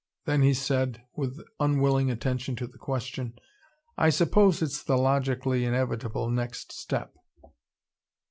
Then he said, with unwilling attention to the question: "I suppose it's the logically inevitable next step."